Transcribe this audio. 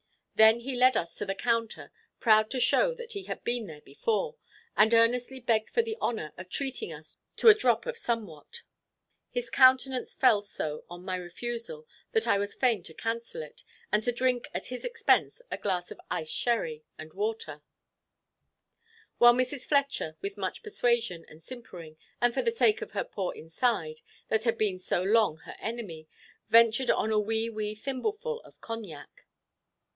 Then he led us to the counter, proud to show that he had been there before, and earnestly begged for the honour of treating us to a drop of somewhat. His countenance fell so on my refusal, that I was fain to cancel it, and to drink at his expense a glass of iced sherry and water; while Mrs. Fletcher, with much persuasion and simpering, and for the sake of her poor inside, that had been so long her enemy, ventured on a "wee wee thimbleful of Cognac."